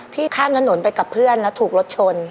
ข้ามถนนไปกับเพื่อนแล้วถูกรถชน